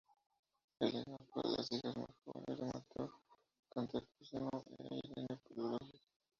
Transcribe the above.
Helena fue una de las hijas más jóvenes de Mateo Cantacuceno e Irene Paleóloga.